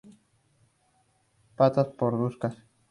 Patas parduzcas.